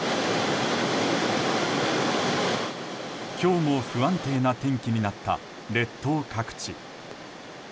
今日も不安定な天気になった列島各地。